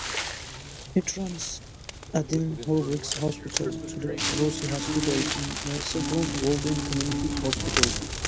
It runs Addenbrooke's Hospital, the Rosie Hospital, and Saffron Walden Community Hospital.